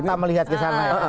semua mata melihat ke sana ya